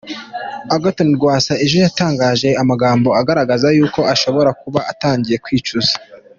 Agathon Rwasa ejo yatangaje amagambo agaragaza yuko ashobora kuba atangiye kwicuza !